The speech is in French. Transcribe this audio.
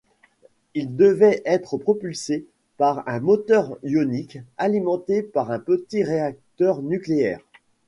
Il devait être propulsé par un moteur ionique alimenté par un petit réacteur nucléaire.